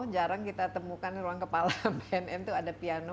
jarang kita temukan ruang kepala bnm tuh ada piano